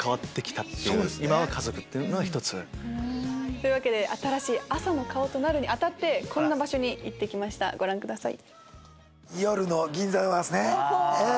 というわけで新しい朝の顔となるに当たってこんな場所に行ってきましたご覧ください。